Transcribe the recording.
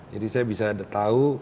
jadi saya bisa tahu